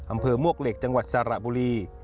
อำเภอมวกเหล็กจังหวัดสระบุรี